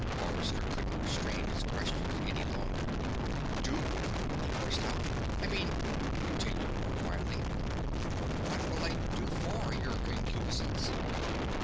Forrester couldn't restrain his questions any longer. "Do?" he burst out. "I mean," he continued, more quietly, "what will I do for, Your Concupiscence?"